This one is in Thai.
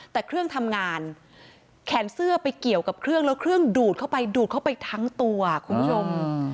แต่เครื่องทำงานแขนเสื้อไปเกี่ยวกับเครื่องแล้วเครื่องดูดเข้าไปดูดเข้าไปทั้งตัวคุณผู้ชม